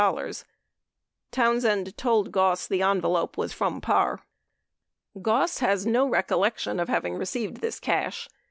22 Townsend told Goss the envelope was from Parr. Goss has no recollection of receiving this cash.